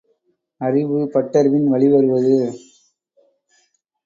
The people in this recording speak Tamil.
அறிவு, பட்டறிவின் வழி வருவது.